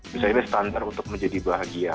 bisa ini standar untuk menjadi bahagia